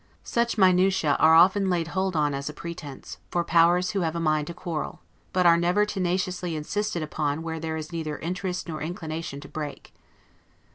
Such minutiae are often laid hold on as a pretense, for powers who have a mind to quarrel; but are never tenaciously insisted upon where there is neither interest nor inclination to break.